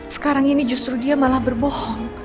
sekarang ini justru dia malah berbohong